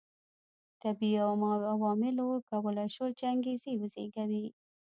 طبیعي عواملو کولای شول چې انګېزې وزېږوي.